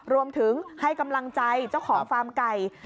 รวมถึงให้กำลังใจเจ้าของฟาร์มไก่